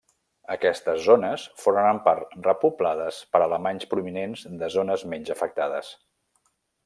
Aquestes zones foren en part repoblades per alemanys provinents de zones menys afectades.